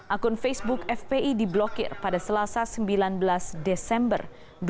akun facebook fpi diblokir pada selasa sembilan belas desember dua ribu dua puluh